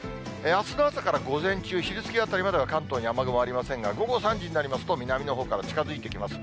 あすの朝から午前中、昼過ぎあたりまでは関東に雨雲ありませんが、午後３時になりますと南のほうから近づいてきます。